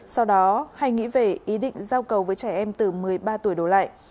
sau đó hay nghĩ về ý định giao cầu với trẻ em từ một mươi ba tuổi đổ lại